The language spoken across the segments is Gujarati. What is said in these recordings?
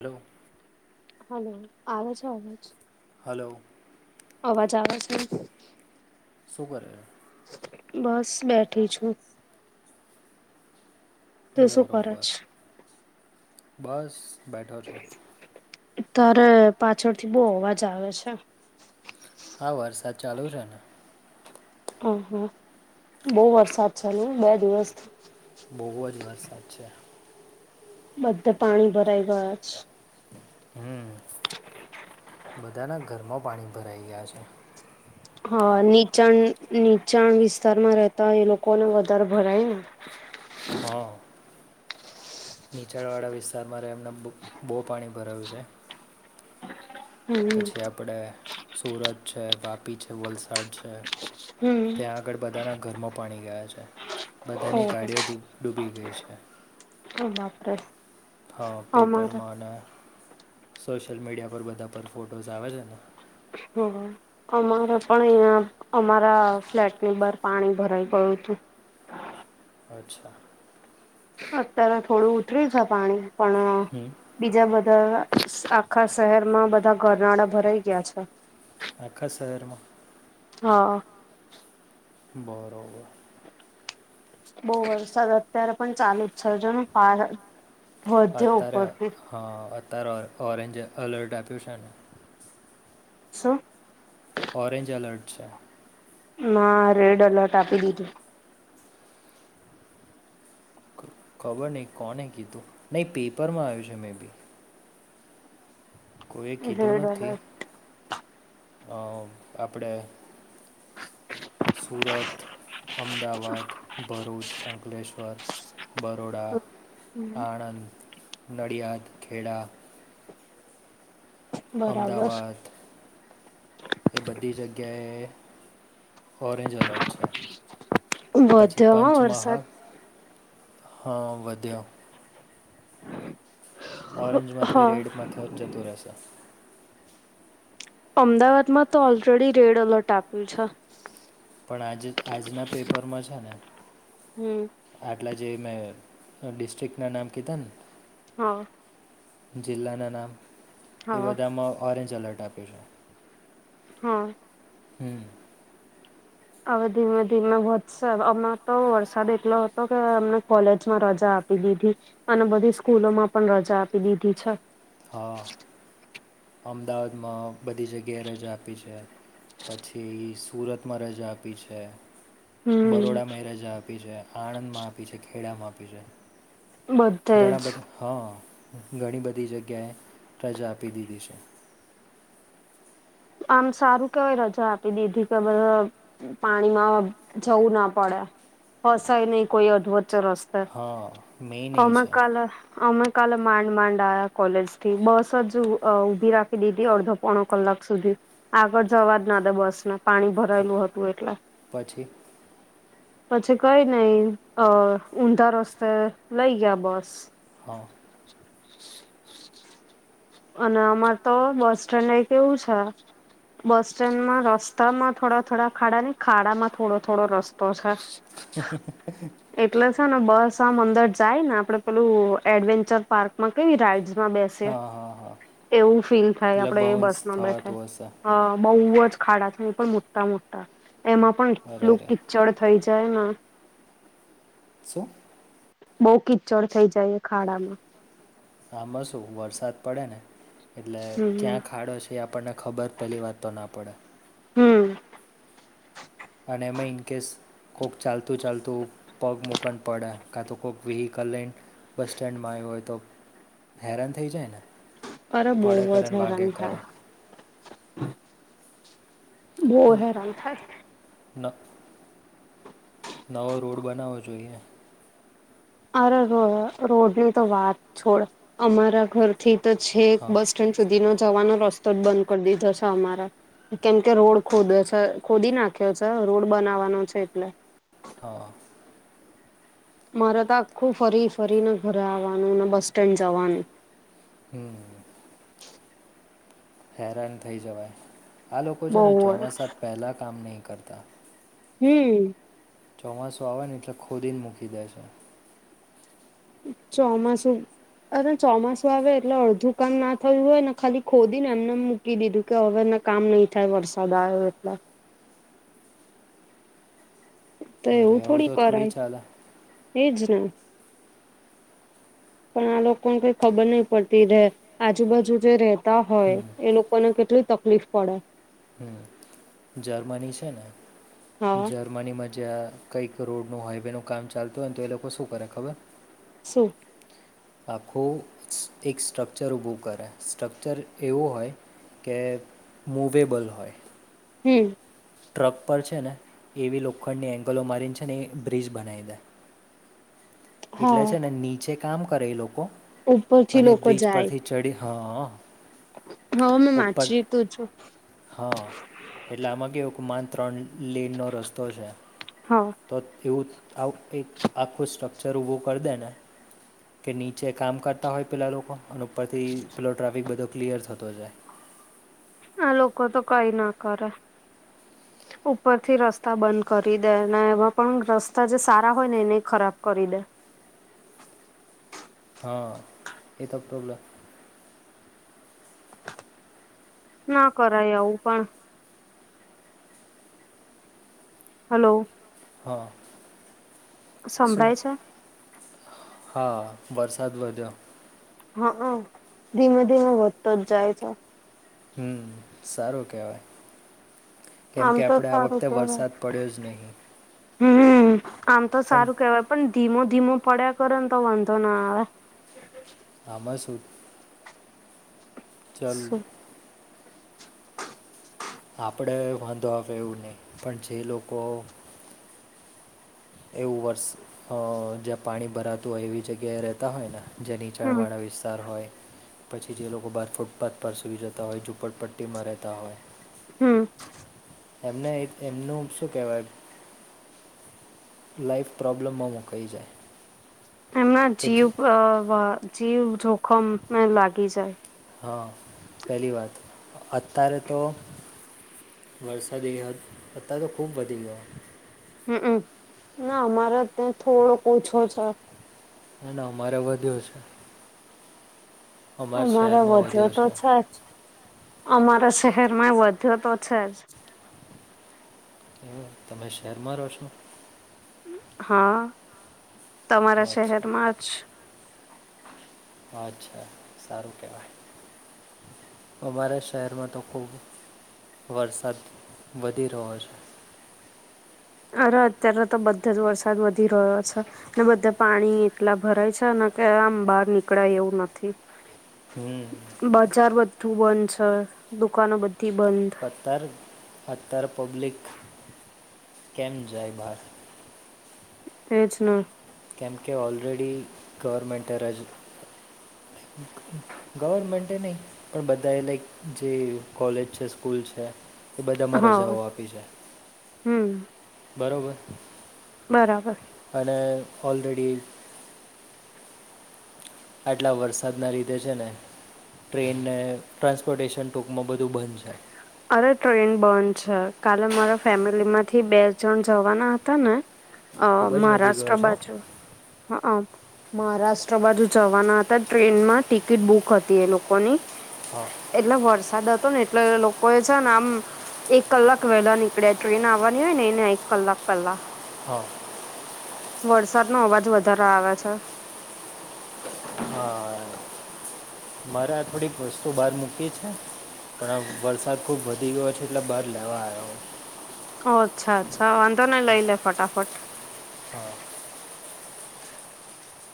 હલો. હલો, આવે છે અવાજ? હલો. અવાજ આવે છે? શુંગર. બસ બેઠી છું. તું શું કરે બરોબર, છે બસ બેઠો છો. તારે પાછળથી બહુ અવાજ આવે છે. આ વરસાદ ચાલુ છે ને. હ, હા, બહુ વરસાદ ચાલે, બે દિવસથી. બહુ જ વરસાદ છે. બધા પાણી ભરાઈ ગયા છે. હમ. હ. બધાના ઘરમાં પાણી ભરાઈ ગયા છે. હા, નીચાણ નીચાણ વિસ્તારમાં રહેતા, એ લોકોને વધારે ભરાય ને. હા. નીચાણ વાળા વિસ્તારમાં એમને બહુ પાણી ભરાયું છે. હમ પછી આપણે સુરત છે, વાપી છે, વલસાડ છે. હમ ત્યાં આગળ બધાના ઘરમાં પાણી ગયા છે, બધાની ગાડીઓ ડૂબી ગઈ છે. હમાં પ્ર [unintelligible] હા, પેપરમાં અને સોશિયલ મીડિયા પર બધા પર ફોટોઝ આવે છે ને. હમ. અમારે પણ અહીં અમારા ફ્લેટની બહાર પાણી ભરાઈ ગયું હતું. અચ્છા. અત્યારે થોડું ઉતરી છે, પાણી પણ હમ બીજા બધા આખા શહેર માં બધા ઘરનાળા ભરાઈ ગયા છે. આખા શહેરમાં. હા. બરોબર બહુ વરસાદ અત્યારે પણ ચાલુ જ સર્જનું ફાર અત્યારે હા અત્યારે ઓરેન્જ અલર્ટ આપ્યું છે ને. શું. ઓરેન્જ અલર્ટ છે. રેડ અલર્ટ આપી દીધું. ખબર નહી કોને કીધું નહીં પેપરમાં આવ્યું છે મે બી કોઈએ કીધું રેડ નથી. એલર્ટ. અ આપણે સુરત અમદાવાદ ભરૂચ અંકલેશ્વર બરોડા હમ આણંદ નડિયાદ ખેડા બરાબર. અમદાવાદ એ બધી જગ્યાએ ઓરેન્જ અલર્ટ અચ્છા પછી વધ્યો હા વરસાદ પંચમહાલ હા વધ્યો ઓરેન્જમાંથી હા રેડમાં થ જતું રહેશે. અમદાવાદમાં તો ઓલરેડી રેડ અલર્ટ આપ્યું છે. પણ આજે આજના પેપરમાં છે ને હમ આટલા જે મેં ડિસ્ટ્રિક્ટનાં નામ કીધા ને હા. જિલ્લાના નામ એ હા બધામાં ઓરેન્જ એલર્ટ આપ્યું છે. હા. હમ. હવે ધીમે ધીમે વધશે અમને તો વરસાદ એટલો હતો કે અમને કોલેજમાં રજા આપી આપી દીધી અને બધી સ્કૂલો માં પણ રજા આપી દીધી છે. હા અમદાવાદમાં બધી જગ્યાએ રજા આપી છે. પછી સુરતમાં રજા આપી છે. હમ બરોડા માય રાજા આપી છે આણંદ માં આપી છે ખેડામાં આપી છે. બધે ઘણા જ બધા હા ઘણી બધી જગ્યાએ રજા આપી દીધી છે. આમ સારું કેવાય રજા આપી દીધી કે બ પાણીમાં જવું ના પડે ફસાય નહીં કોઈ અધવચ્ચે રસ્તા હા મેઇન એ અમે છે કાલે અમે કાલે માંડ માંડ આ્યા કોલેજ થી બસ જ અ ઊભી રાખી દીધી અડધો પોણો કલાક સુધી આગળ જવા જ ના દે બસ ને પાણી ભરાયેલું હતું એટલે [inaudible] પછી કઈ નઈ અ ઊંધા રસ્તે લઈ ગયા બસ. હવ અને અમાર તો બસ સસ્ટેન્ડે કેવું છે. બસ સ્ટેન્ડમાં રસ્તામાં થોડા થોડા ખાડા નહી ખાડામાં થોડો થોડો રસ્તો છે. હ [inaudible] હ [inaudible] એટલે છે ને બસ આમ અંદર જાય ને આપડે પેલું એડવેન્ચર પાર્ક માં કેવી રાઈડ બેસે હા હા હા એવું ફીલ થાય એટલે આપડે એ બાઉન્સ બસમાં બેઠા થવાતું હશે અ બહુ જ ખાડા છે એ પણ મોટા મોટા એમાં પણ અરે એટલું રે કિચડ થઈ જાય ને. શું. બઉુ કિચોડ થઈ જાય એ ખાડામાં. આમાં શું વરસાદ પડે ને એટલે હમ ક્યાં ખાડો છે એ આપણને ખબર પહેલી વાત તો ના પડે. હમ અને એમાં ઇન્કેશ કોક ચાલતું ચાલતું પગ મૂક ન પડે કાં તો કોઈક વ્હીકલ લઇન બસ સ્ટેન્ડમાં આયો હોય તો હેરાન થઈ જાય ને. અરે બહુ પળે કરે જ ને વાગે હેરાન થાય. કરે. બહુ હેરાન થાય. ન નવો રોડ બનાવો જોઈએ. અરર રોડ રોડની તો વાત છોડ અમારા ઘરથી તો છેક હા બસ ટ્રેન સુધીનો જવાનો રસ્તો જ બંધ કરી દીધો છે અમારે. કેમ કે રોડ ખોદયો છે ખોદી નાખ્યો છે રોડ બનાવાનો છે એટલે. હા મારે તો આખું ફરી ફરીને ઘરે આવવાનું ને બસ સ્ટેન્ડ જવાનું. હમ હેરાન થઈ જવાય. આ લોકો છે ને બહુ ચોમાસા પહેલાં કામ નહીં કરતા. હમ ચોમાસું આવે ને એટલે ખોદીને મૂકી દે છે. ચોમાસું અરે ચોમાસું આવે એટલે અડધું કામ ના થયું હોય ને ખાલી ખોદી ને એમનેમ મુક કી દીધું કે હવેને કામ નહી થાય વરસાદ આયો એટલે. તો અરે એવું થોડી તો કરાય ચાલે એજ ને. પણ આ લોકોને કઈ ખબર નહી પડતી રે આજુબાજુ જે રે તા હોય હમ એ લોકોને કેટલું તકલીફ પડે. હમ જર્મની છે ને હા જર્મ મની માં જ્યાં કઈક રોડનું હાઈવેનું કામ ચાલતું હોય ને તો એ લોકો શું કરે ખબર? શું? આખું એક સ્ટ્રક્ચર ઊભું કરે. સ્ટ્રક્ચર એવું હોય કે મૂવેબલ હોય. હમ. ટ્રક પર છે ને, એવી લોખંડની એંગલો મારીને છે ને એ બ્રિજ બનાવી દે. એટલે હા છે ને, નીચે કામ કરે એ લોકો ઉપરથી અને લોકો બ્રિજ પરથી ચડી હહ હહ. હહ મેં વાંચ્યું તો છે. હા, એટલે આમાં કહેવું કે મન ત્રણ લેનનો રસ્તો છે. હા તો એવું કંઈક આખું સ્ટ્રક્ચર ઊભું કર દે ને. કે નીચે કામ કરતા હોય પહેલા લોકો અને ઉપરથી પેલો ટ્રાફિક બધો ક્લિયર થતો જાય. હા, લોકો તો કંઈ ના કરે. [inaudible] ઉપરથી રસ્તા બંધ કરી દે અને એમાં પણ રસ્તા જે સારા હોય ને એને ખરાબ કરી દે. હા, એ તો પ્રોબ્લેમ. ના કરાય આવું પણ. હલો હા સંભળાય છે? હા, વરસાદ વધ્યો. હઆ ધીમે ધીમે વધતો જ જાય છે. હમ, સારું કહેવાય. કેમ આમ કે તો આપણે આ સારું વખતે કેવાય વરસાદ પડ્યો જ નહીં. હમ, આમ તો પણ સારું કહેવાય. પણ ધીમો ધીમો પડ્યા કરે ને તો વાંધો ના આવે. આમાં શું? ચલ શું આપડે વાંધો આવે એવું નહીં, પણ જે લોકો એવું વર્ષ જ્યાં પાણી ભરાતું હોય એવી જગ્યાએ રહેતા હોય ને. જે હમ નીચાણવાળા વિસ્તાર હોય. પછી જે લોકો બહાર ફૂટપાથ પર સૂઈ જતા હોય, ઝૂંપડપટ્ટીમાં રહેતા હોય. હમ. એમને એમનું શું કહેવાય લાઈફ પ્રોબ્લેમમાં મુકાઈ જાય. એમના કે જે જીવ અ જીવ જોખમ લાગી જાય. હા, પહેલી વાત અત્યારે તો વરસાદ એ તો ખૂબ વધી ગયો. હમમ, ના અમારે ત્યાં થોડો ઓછો છે. ના ના, અમારે વધ્યો છે. અમારે વધ્યો તો છે જ, અમારા શહેરમાં વધ્યો તો છે જ. હમ, તમે શહેરમાં રહો છો? હા, તમારા અચ્છા શહેરમાં જ. અચ્છા, સારું કહેવાય. અમારા શહેરમાં તો ખૂબ વરસાદ વધી રહ્યો છે. અરે, અત્યારે તો બધો જ વરસાદ વધી રહ્યો છે. ને બધે પાણી એટલા ભરાય છે ને કે આમ બહાર નીકળાય એવું નથી. હમ બજાર બધું બંધ છે, દુકાનો બધી બંધ. ફતર ફતર પબ્લિક કેમ જાય બહાર? એજ ને. કેમ કે ઓલરેડી ગવર્મેન્ટ રજા ગવરમેન્ટે ન‌ઈ પણ બધા એ લાઈક જે કોલેજ છે સ્કૂલ છે એ બધામાં રજાઓ આપી છે. હમ્મ. બરોબર? બરાબર. અને ઓલરેડી આટલા વરસાદના લીધે છે ને ટ્રેનને ટ્રાન્સપોર્ટેશન ટૂંકમાં બધું બંધ છે. અરે ટ્રેન બંધ છે. કાલે મારા ફેમિલીમાંથી બે જન જવાના હતા ને [inaudible] અ વધી ગયો મહારાષ્ટ્ર છો બાજુ [unintelligible] મહારાષ્ટ્ર બાજુ જવાના હતા ટ્રેનમાં ટિકિટ બુક હતી એ લોકોની હા એટલે વરસાદ હતો ને એટલે લોકો એ છે ને આમ એક કલાક વહેલા નીકળ્યા ટ્રેન આવવાની હોય ને એને એક કલાક પેલ્લા. હા. વરસાદનો અવાજ વધારે આવે છે. હા, મારે આ થોડીક વસ્તુ બહાર મૂકી છે. પણ વરસાદ ખુબ વધી ગયો છે એટલે બાર લેવા આયો. ઓ અચ્છા અચ્છા વાંધો નહીં લઈ લે ફટાફટ. હા.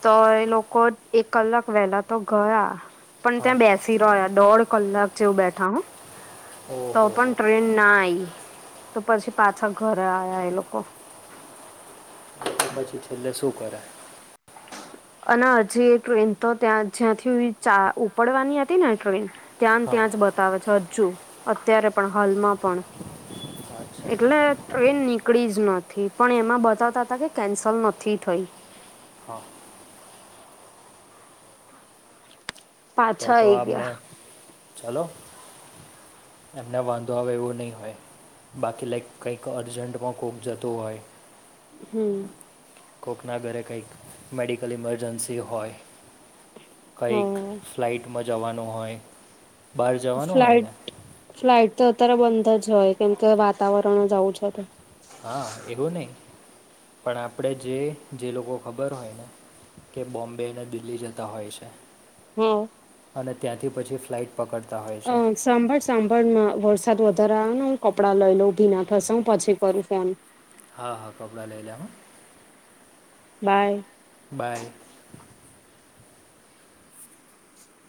તો એ લોકો એક કલાક વેલા તો ગયા પણ હા ત્યાં બેસી રહ્યા, દોઢ કલાક જેવું બેઠા હો તો ઓહો પણ હો ટ્રેન ના આઈ તો પછી પાછા ઘરે આયા એ લોકો. તો પછી છેલ્લે શું કરે? [inaudible] અને હજી ટ્રેન તો ત્યાં જ, જ્યાંથી ચા ઉપડવાની હતી ને ટ્રેન. ત્યાં ન હા ત્યાં જ બતાવે છે, હજુ અત્યારે, પણ હાલમાં પણ અચ્છા એકલે ટ્રેન નીકળી જ નથી. પણ એમાં બતાવતા હતા, કે કેન્સલ નથી થઈ. હા. તો પાછા તો આઈ આપને ગયા ચલો. એમને વાંધો આવે, એવું નહીં હોય. બાકી લાઈક કંઈક અર્જન્ટમાં કોક જતું હોય. હમ્મ. કોકના ઘરે કંઈક મેડિકલ ઇમરજન્સી હોય. કંઈક હમ ફ્લાઇટમાં જવાનું હોય. બહાર જવાનું હોય ને ફ્લાઇટ ફ્લાઇટ તો અત્યારે બંધ જ હોય, કેમ કે વાતાવરણ જ આવું છે તો. હા, એવું નહી, પણ આપણે જે જે લોકો ખબર હોય ને. કે બોમ્બે અને દિલ્હી જતા હોય છે. હમ્મ. અને ત્યાંથી પછી ફ્લાઇટ પકડતા હોય અ છે. સાંભળ સાંભળ માં વરસાદ વધારે આવે ને, હું કપડા લઈ લઉ ભીના થશે, હું પછી કરું ફોન. હા, હા, કપડા લઈ લે. બાય. બાય.